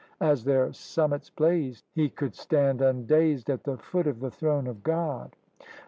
As their summits blazed, he could stand undazed at the foot of the throne of God.